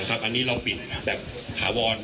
คุณผู้ชมไปฟังผู้ว่ารัฐกาลจังหวัดเชียงรายแถลงตอนนี้ค่ะ